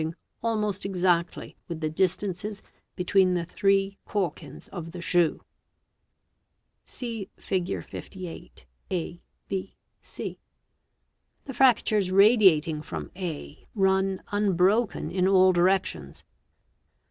— ing almost exactly with the distances" between the three calkins of the shoe. See Fig. 58, a, b, c. The fractures radiating from a run unbroken in all directions.